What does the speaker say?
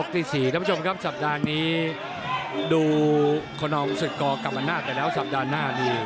ที่๔ท่านผู้ชมครับสัปดาห์นี้ดูคนนองศึกกกรรมนาศไปแล้วสัปดาห์หน้านี่